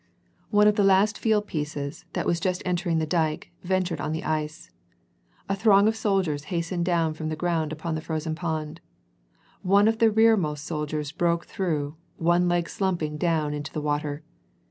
One of the last field pieces, that was just entering on the dyke, ventured on the ice. A throng of soldiers hastened down from the ground upon the frozen pond. One of the rearmost sol diers broke through, one leg slumping down into the water.